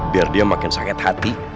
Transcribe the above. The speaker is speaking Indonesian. biar dia makin sakit hati